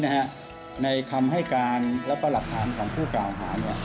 ในชั้นนี้ในคำให้การและหลักฐานของผู้กล่าวหา